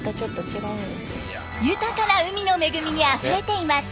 豊かな海の恵みにあふれています。